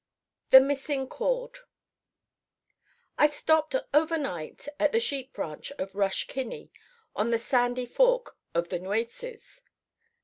XIII THE MISSING CHORD I stopped overnight at the sheep ranch of Rush Kinney, on the Sandy Fork of the Nueces.